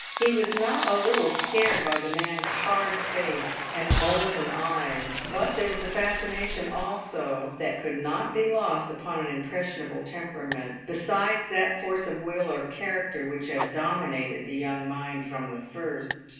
He was not a little scared by the man's hard face and molten eyes; but there was a fascination also that could not be lost upon an impressionable temperament, besides that force of will or character which had dominated the young mind from the first.